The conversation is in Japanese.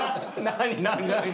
何？